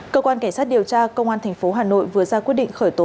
cơ quan cảnh sát điều tra công an thành phố hà nội vừa ra quyết định khởi tố